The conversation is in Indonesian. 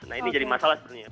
nah ini jadi masalah sebenarnya